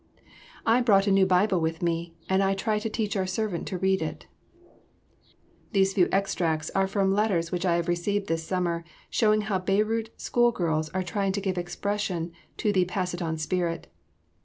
"I brought a new Bible with me, and I try to teach our servant to read it." These few extracts are from letters which I have received this summer showing how Beirut school girls are trying to give expression to the pass it on spirit.